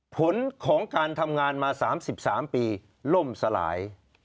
ผลของการทำงานมา๓๓ปีล่มสลาย